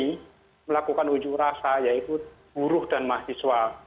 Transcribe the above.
yang kedua adalah kelompok yang melakukan unjuk rasa yaitu buruh dan mahasiswa